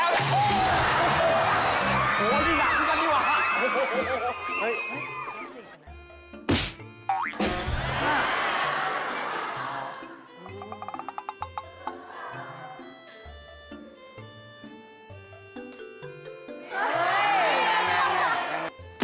โอ้โหนี่หลังกันดีกว่า